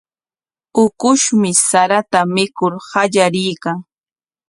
Ukushmi sarata mikur qallariykan.